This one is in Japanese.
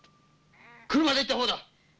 車で行った方だ！